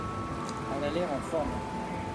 Elle a l’air en forme.